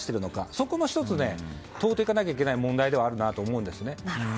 そこも１つ問うていかなければいけない問題ではあるなと思います。